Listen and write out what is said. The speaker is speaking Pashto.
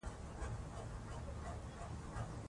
د جګړې په ډګر کې هر څوک خپل جرئت ښکاره کوي.